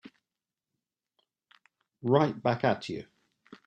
Right back at you.